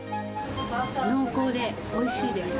濃厚でおいしいです。